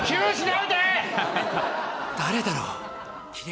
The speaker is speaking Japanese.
「誰だろう」